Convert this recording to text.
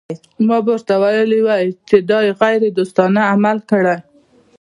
ما به ورته ویلي وای چې دا یې غیر دوستانه عمل کړی.